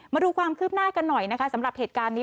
มาดูความคืบหน้ากันหน่อยนะคะสำหรับเหตุการณ์นี้